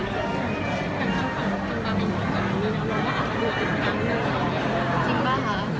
อือ